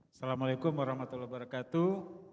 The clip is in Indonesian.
assalamu alaikum warahmatullahi wabarakatuh